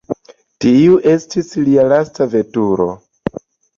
Tiu estis lia lasta veturo.